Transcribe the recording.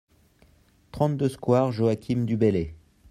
trente-deux square Joachim du Bellay